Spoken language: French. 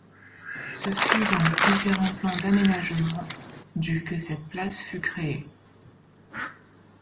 Ce fut dans les différents plans d'aménagement du que cette place fut créée.